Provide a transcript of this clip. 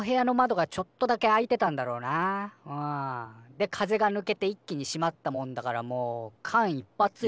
で風がぬけて一気に閉まったもんだからもう間一ぱつよ。